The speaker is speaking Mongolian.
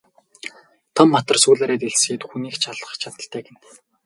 Том матар сүүлээрээ дэлсээд хүнийг ч алах чадалтай гэнэ.